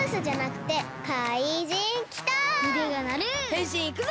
へんしんいくぞ！